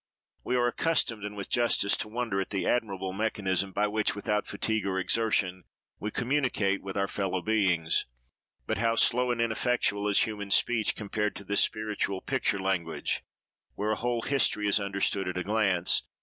We are accustomed, and with justice, to wonder at the admirable mechanism by which, without fatigue or exertion, we communicate with our fellow beings; but how slow and ineffectual is human speech compared to this spiritual picture language, where a whole history is understood at a glance!